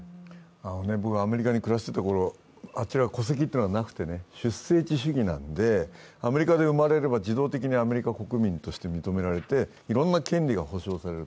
アメリカに暮らしていたころ、あっちは戸籍というのがなくて出生地主義なので、アメリカで生まれれば自動的にアメリカ国民として認められていろんな権利が保障される。